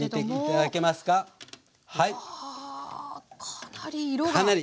かなり色が。